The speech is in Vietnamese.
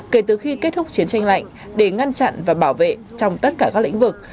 kể từ khi kết thúc chiến tranh lạnh để ngăn chặn và bảo vệ trong tất cả các lĩnh vực